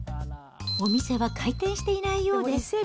お店は開店していないようです。